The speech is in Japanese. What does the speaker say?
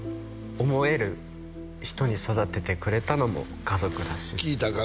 思える人に育ててくれたのも家族だし聞いたか？